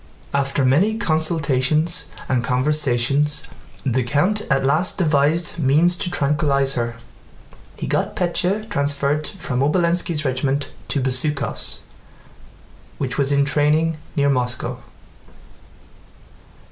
After many consultations and conversations, the count at last devised means to tranquillize her. He got Pétya transferred from Obolénski's regiment to Bezúkhov's, which was in training near Moscow.